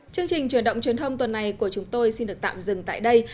chương trình truyền động truyền thông tuần này của chúng tôi xin được tạm dừng tại đây